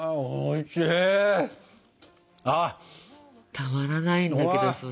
たまらないんだけどそれ。